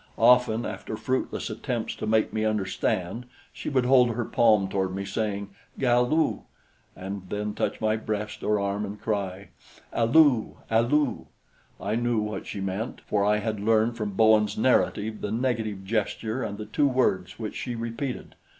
Often after fruitless attempts to make me understand she would hold her palm toward me, saying, "Galu!" and then touch my breast or arm and cry, "Alu, alu!" I knew what she meant, for I had learned from Bowen's narrative the negative gesture and the two words which she repeated.